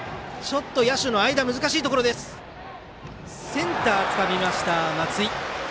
センターつかみました、松井。